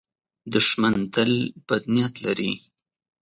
دښمن تل بد نیت لري